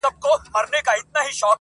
دښایستونو خدایه اور ته به مي سم نیسې~